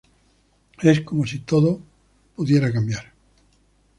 Es como si todo podría cambiar".